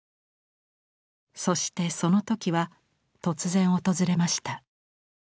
そしてその時は突然訪れました。